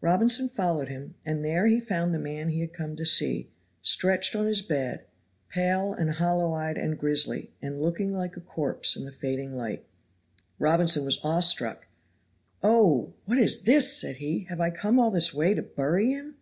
Robinson followed him, and there he found the man he had come to see stretched on his bed pale and hollow eyed and grisly and looking like a corpse in the fading light. Robinson was awestruck. "Oh! what is this?" said he. "Have I come all this way to bury him?"